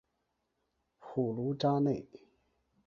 普卢扎内。